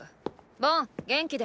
ボン元気で。